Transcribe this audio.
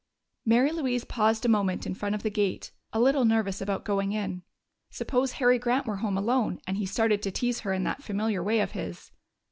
Mary Louise paused a moment in front of the gate, a little nervous about going in. Suppose Harry Grant were home alone and he started to tease her in that familiar way of his!